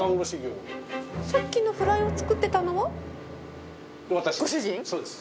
さっきのフライを作ってたの私です。